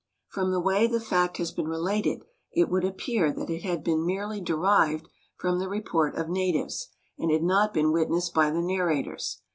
From the way the fact has been related it would appear that it had been merely derived from the report of natives, and had not been witnessed by the narrators.